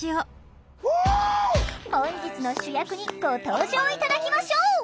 本日の主役にご登場頂きましょう！